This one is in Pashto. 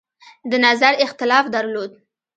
د نظر اختلاف درلود.